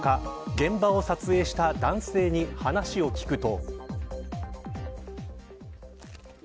現場を撮影した男性に話を聞くと。